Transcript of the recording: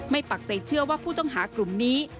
ปักใจเชื่อว่าผู้ต้องหากลุ่มนี้